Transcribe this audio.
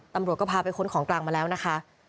ตำรวจก็พาไปค้นของกลางมาแล้วนะคะ